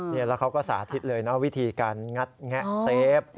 แล้วเขาก็สาธิตเลยนะวิธีการงัดแงะเซฟ